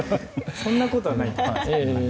そんなことはない。